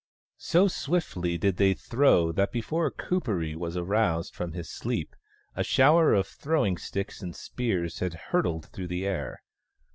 So swiftly did they throw that before Kuperee was aroused from his sleep a shower of throwing sticks and spears had hurtled through the air.